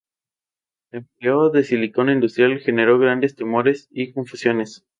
El empleo de silicona industrial generó grandes temores y confusiones.